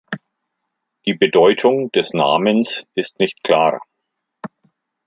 Die Bedeutung des Namens ist nicht klar.